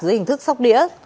dưới hình thức sóc đĩa